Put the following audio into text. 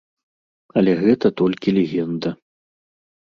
Але гэта толькі легенда.